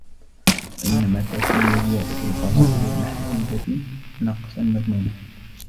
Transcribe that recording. وَإِنَّمَا تَكُونُ زِيَادَةُ الْفَضَائِلِ الْمَحْمُودَةِ نَقْصًا مَذْمُومًا